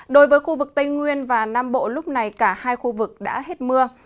đối với khu vực tây nguyên và nam bộ lúc này cả hai khu vực đã hết mưa